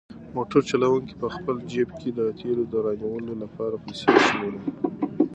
موټر چلونکی په خپل جېب کې د تېلو د رانیولو لپاره پیسې شمېري.